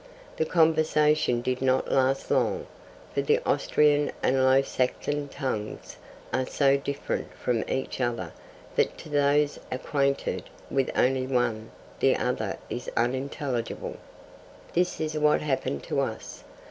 The conversation did not last long, for the Austrian and low Saxon tongues are so different from each other that to those acquainted with only one the other is unintelligible. This is what happened to us.